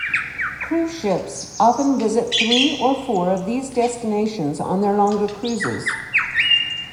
Cruise ships often visit three or four of these destinations on their longer cruises.